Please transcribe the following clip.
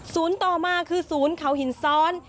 ต่อมาคือศูนย์เขาหินซ้อน